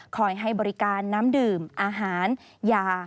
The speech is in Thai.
ให้บริการน้ำดื่มอาหารยา